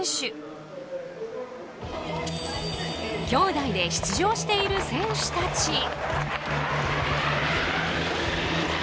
きょうだいで出場している選手たち。